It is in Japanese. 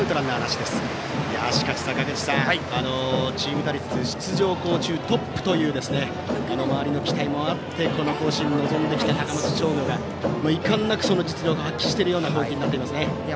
しかし坂口さんチーム打率出場校中トップという周りの期待もあってこの甲子園に臨んできた高松商業がいかんなくその実力を発揮しているような攻撃になっていますね。